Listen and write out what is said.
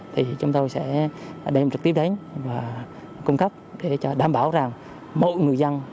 thì chúng tôi sẽ đem trực tiếp đến và cung cấp để cho đảm bảo rằng mỗi người dân